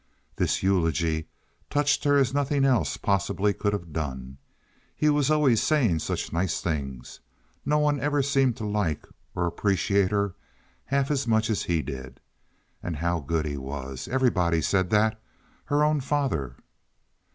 This eulogy touched her as nothing else possibly could have done. He was always saying such nice things. No one ever seemed to like or to appreciate her half as much as he did. And how good he was! Everybody said that. Her own father.